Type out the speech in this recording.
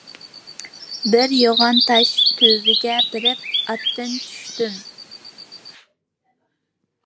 بىر يوغان تاش تۈۋىگە بېرىپ، ئاتتىن چۈشتۈم.